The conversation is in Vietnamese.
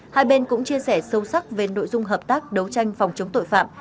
hai bên cũng chia sẻ sâu sắc về nội dung hợp tác đấu tranh phòng chống tội phạm